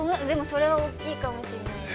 でも、それは大きいかもしれないです。